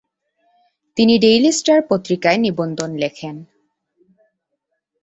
তিনি "Daily Star" পত্রিকায় নিবন্ধ লেখেন।